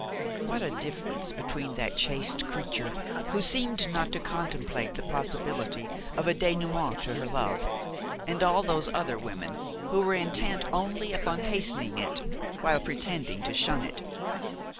What a difference between that chaste creature who seemed not to contemplate the possibility of a dénoûment to her love and all those other women who were intent only upon hastening it while pretending to shun it!